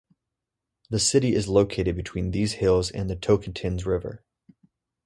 The city is located between these hills and the Tocantins River.